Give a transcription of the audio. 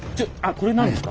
これ何ですか？